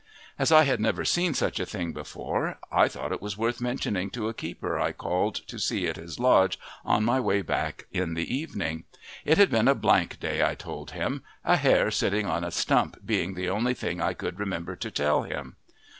As I had never seen such a thing before I thought it was worth mentioning to a keeper I called to see at his lodge on my way back in the evening. It had been a blank day, I told him a hare sitting on a stump being the only thing I could remember to tell him.